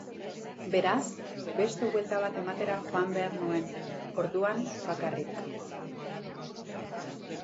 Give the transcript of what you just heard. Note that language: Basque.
Beraz, beste buelta bat ematera joan behar nuen, orduan bakarrik.